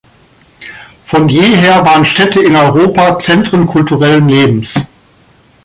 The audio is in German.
Von jeher waren Städte in Europa Zentren kulturellen Lebens.